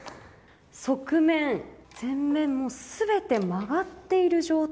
側面、前面も全て曲がっている状態。